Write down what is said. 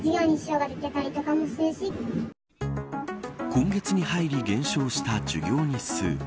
今月に入り減少した授業日数。